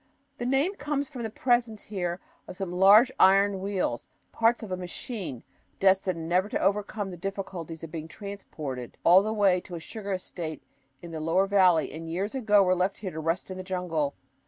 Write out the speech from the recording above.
The name comes from the presence here of some large iron wheels, parts of a "machine" destined never to overcome the difficulties of being transported all the way to a sugar estate in the lower valley, and years ago left here to rust in the jungle.